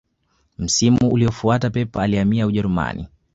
msimu uliyofuata pep alihamia ujerumani